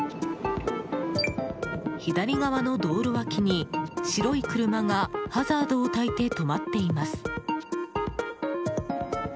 左側の道路脇に白い車がハザードをたいて止まっています。